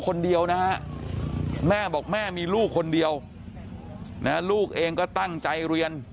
คนเดียวนะฮะแม่บอกแม่มีลูกคนเดียวนะลูกเองก็ตั้งใจเรียน